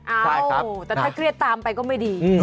เอ้าแต่ถ้าเครียดตามไปก็ไม่ดี